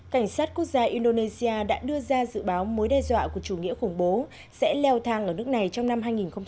cảnh sát quốc gia indonesia đã đưa ra dự báo mối đe dọa của chủ nghĩa khủng bố sẽ leo thang ở nước này trong năm hai nghìn hai mươi